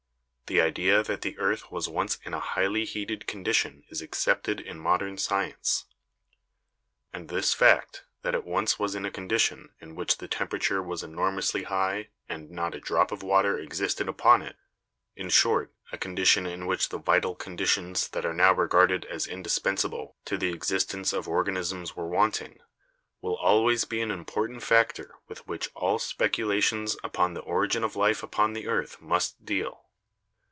The idea that the earth was once in a highly heated condition is accepted in modern science. And this fact that it once was in a condition in which the tempera ture was enormously high and not a drop of water existed upon it, in short, a condition in which the vital conditions that are now regarded as indispensable to the existence of THE ORIGIN OF LIFE 39 organisms were wanting, will always be an important fac tor with which all speculations upon the origin of life upon the earth must deal.